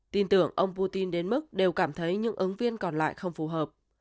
tin tưởng ông putin đến mức đều cảm thấy những ứng viên còn lại không phù hợp